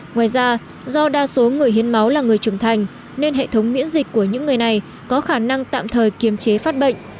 ngoài ra do đa số người hiến máu là người trưởng thành nên hệ thống miễn dịch của những người này có khả năng tạm thời kiềm chế phát bệnh